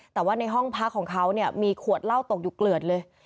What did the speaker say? แต่ว่าในห้องพักของเขาเนี่ยมีขวดเหล้าตกอยู่เกลือดเลย